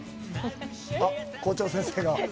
あっ、校長先生が。